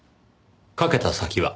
かけた先は？